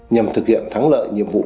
nhằm thực hiện thắng lợi nhiệm vụ